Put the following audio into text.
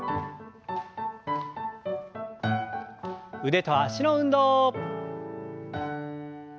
腕と脚の運動。